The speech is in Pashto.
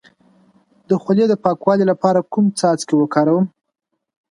د خولې د پاکوالي لپاره کوم څاڅکي وکاروم؟